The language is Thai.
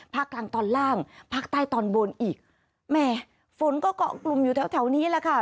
ภาคกลางตอนล่างภาคใต้ตอนบนอีกแหมฝนก็เกาะกลุ่มอยู่แถวแถวนี้แหละค่ะ